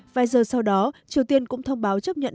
vài giờ sau đó triều tiên cũng thông báo chấp nhận